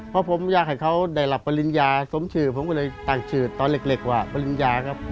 เพราะผมอยากให้เขาได้รับปริญญาสมชื่อผมก็เลยตั้งชื่อตอนเล็กว่าปริญญาครับ